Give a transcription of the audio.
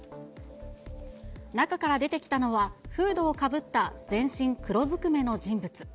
中から出てきたのは、フードをかぶった全身黒ずくめの人物。